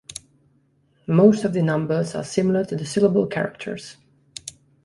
Most of the numbers are similar to the syllable characters.